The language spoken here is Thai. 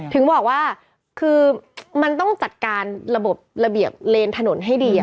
ถึงบอกว่าคือมันต้องจัดการระบบระเบียบเลนถนนให้ดี